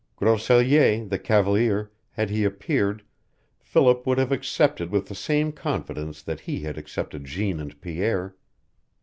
Grosellier, the cavalier, had he appeared, Philip would have accepted with the same confidence that he had accepted Jeanne and Pierre.